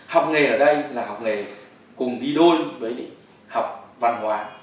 học nghề ở đây là học nghề cùng đi đôi với học văn hóa